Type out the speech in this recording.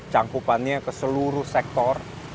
cangkupannya ke seluruh sektor